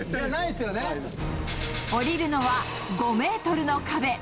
下りるのは５メートルの壁。